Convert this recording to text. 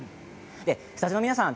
スタジオの皆さん